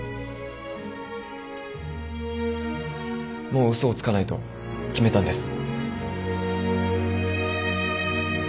もう嘘をつかないと決めたんです。